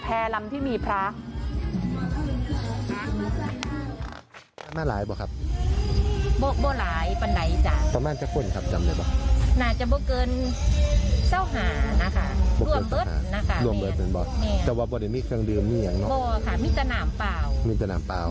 แต่ว่าบอดนี้คงเริ่มเนี้ยเนอะบอกค่ะมีตระน่ำเปล่ามีตระน่ำเปล่า